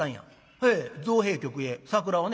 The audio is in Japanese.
「へえ造幣局へ桜をね」。